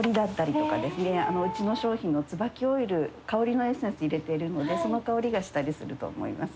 うちの商品のつばきオイル香りのエッセンス入れてるのでその香りがしたりすると思います。